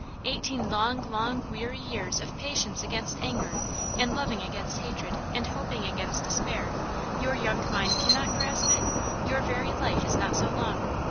eighteen long, long, weary years of patience against anger and loving against hatred and hoping against despair! your young mind cannot grasp it! your very life is not so long!